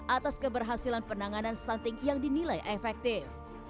atas keberhasilan penanganan stunting yang dinilai efektif